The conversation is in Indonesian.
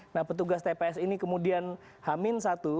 nah petugas tps ini kemudian hamin satu